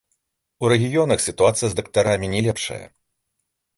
У рэгіёнах сітуацыя з дактарамі не лепшая.